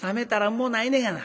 もうないねがな。